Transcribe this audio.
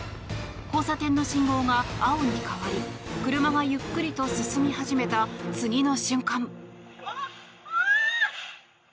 交差点の信号が青に変わり車がゆっくりと進み始めた次の瞬間。